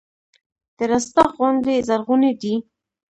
د رستاق غونډۍ زرغونې دي